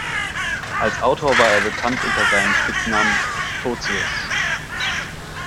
Als Autor war er bekannt unter seinem Spitznamen "Totius".